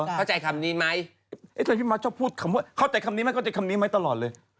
ฮะวิทยาบันดาล๑๙๙๒ไทยว่าเองเข้าใจคำนี้ตลอดเลย